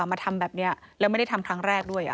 มาทำแบบนี้แล้วไม่ได้ทำครั้งแรกด้วย